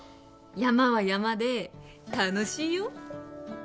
山は山で楽しいよ？